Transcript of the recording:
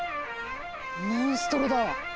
モンストロだ！